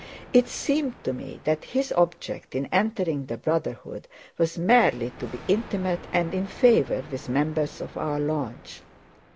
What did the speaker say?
It seemed to me that his object in entering the Brotherhood was merely to be intimate and in favor with members of our lodge.